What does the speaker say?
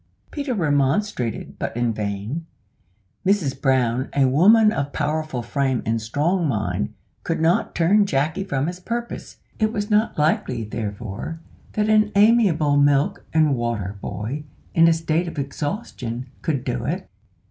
Peter remonstrated, but in vain. Mrs Brown, a woman of powerful frame and strong mind, could not turn Jacky from his purpose it was not likely, therefore, that an amiable milk and water boy, in a state of exhaustion, could do it.